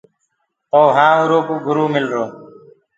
تو وهآنٚ اُرو ڪو گرُ ملرو۔